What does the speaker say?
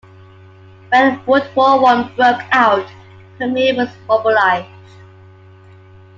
When World War One broke out, Permeke was mobilized.